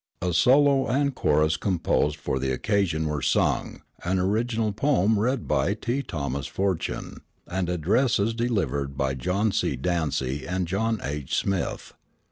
A solo and chorus composed for the occasion were sung, an original poem read by T. Thomas Fortune, and addresses delivered by John C. Dancy and John H. Smyth.